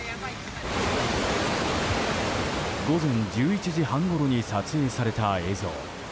午前１１時半ごろに撮影された映像。